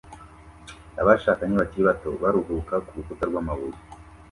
Abashakanye bakiri bato baruhuka kurukuta rwamabuye